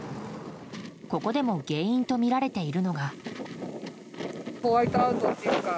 ここでも原因とみられているのが。